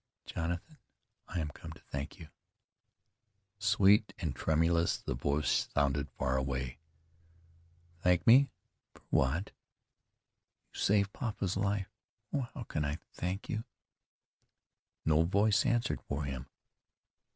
"Jonathan, I am come to thank you." Sweet and tremulous, the voice sounded far away. "Thank me? For what?" "You saved papa's life. Oh! how can I thank you?" No voice answered for him.